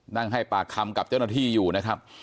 นั่งให้ปากคำกับเจ้าหน้าที่อยู่นะครับ